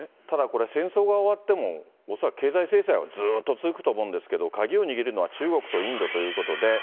ただこれ、戦争が終わっても、恐らく経済制裁は続くと思うんですけど、鍵を握るのは中国とインドということで。